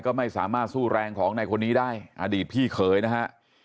ก็ไม่สามารถสู้แรงของในคนนี้ได้อดีตพี่เขยนะฮะ